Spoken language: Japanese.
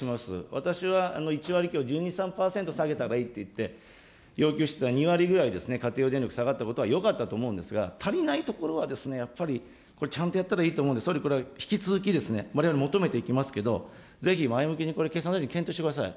私は１割強、１２、３％下げたらいいといって、要求していた、２割くらい家庭用電力下がったことはよかったと思うんですが、足りないところはやっぱり、ちゃんとやったほうがいいと思う、総理これは引き続き、われわれ求めていきますけれども、ぜひ前向きに経産大臣、検討してください。